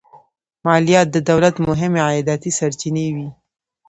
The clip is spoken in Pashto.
مالیات د دولت مهمې عایداتي سرچینې وې.